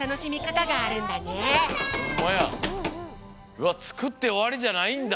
うわっつくっておわりじゃないんだ。